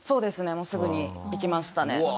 もうすぐに行きましたね。